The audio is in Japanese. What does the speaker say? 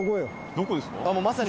どこですか？